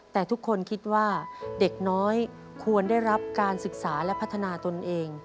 แต่ทุกคนคิดว่าเด็กน้อยควรได้รับการศึกษาและพัฒนาตนเอง